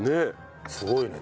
すごいね。